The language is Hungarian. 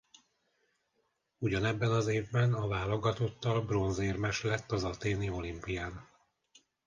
Ugyanebben az évben a válogatottal bronzérmes lett az athéni olimpián.